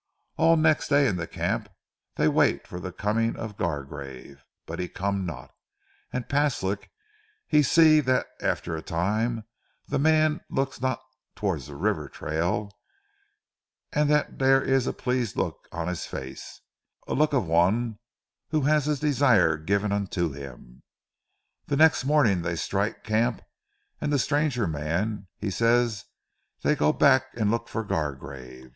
"All next day, in ze camp dere, dey wait for ze coming of Gargrave, but he come not, and Paslik he see dat after a time ze mans look not towards ze river trail, an' dat dare is a pleased look on his face, a look as of one who has his desire given unto him. Ze next morning, they strike camp, an' ze stranger mans he say dey go back and look for Gargrave.